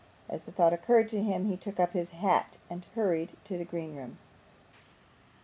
As the thought occurred to him, he took up his hat and hurried to the green room.